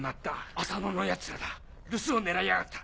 アサノの奴らだ留守を狙いやがった。